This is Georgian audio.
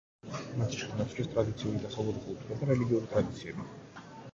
მათ ჩაანაცვლეს ტრადიციული დასავლური კულტურა და რელიგიური ტრადიციები.